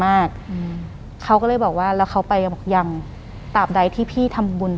หลังจากนั้นเราไม่ได้คุยกันนะคะเดินเข้าบ้านอืม